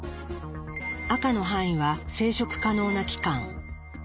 赤の範囲は生殖可能な期間。